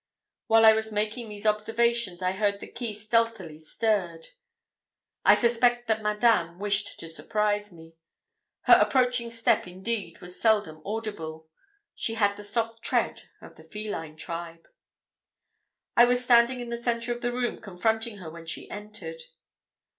While I was making these observations, I heard the key stealthily stirred. I suspect that Madame wished to surprise me. Her approaching step, indeed, was seldom audible; she had the soft tread of the feline tribe. I was standing in the centre of the room confronting her when she entered.